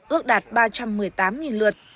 ước đạt ba trăm một mươi tám lượt